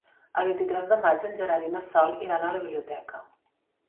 El vint-i-tres de maig en Gerard i na Sol iran a la biblioteca.